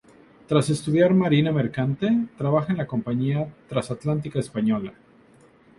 Tras estudiar Marina Mercante, trabaja en la Compañía Transatlántica Española.